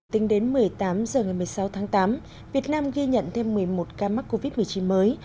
tính đến một mươi tám h ngày một mươi sáu tháng tám việt nam ghi nhận thêm một mươi một ca mắc covid một mươi chín mới